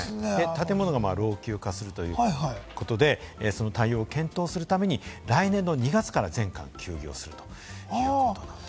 建物が老朽化ということで、その対応を検討するために、来年の２月から全館休業するということなんです。